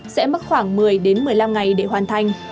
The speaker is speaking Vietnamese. sẽ mất khoảng một mươi một mươi năm ngày để hoàn thành